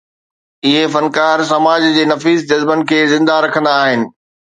اهي فنڪار سماج جي نفيس جذبن کي زنده رکندا آهن.